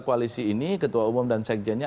koalisi ini ketua umum dan sekjennya